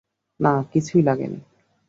না, কিছুই লাগেনি।